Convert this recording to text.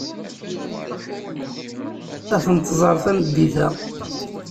Ad ten-tẓer tameddit-a.